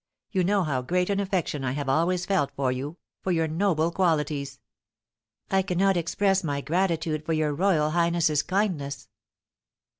You know how great an affection I have always felt for you, for your noble qualities." "I cannot express my gratitude for your royal highness's kindness."